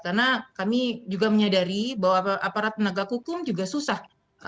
karena kami juga menyadari bahwa aparat tenaga hukum juga susah